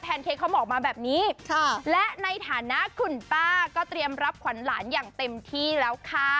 เค้กเขาบอกมาแบบนี้และในฐานะคุณป้าก็เตรียมรับขวัญหลานอย่างเต็มที่แล้วค่ะ